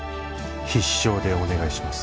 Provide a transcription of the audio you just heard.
必勝でお願いします。